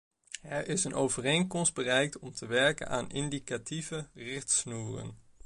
Er is een overeenkomst bereikt om te werken aan indicatieve richtsnoeren.